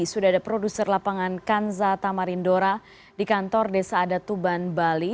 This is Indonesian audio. sudah ada produser lapangan kanza tamarindora di kantor desa adatuban bali